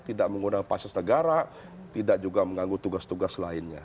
tidak menggunakan fasilitas negara tidak juga mengganggu tugas tugas lainnya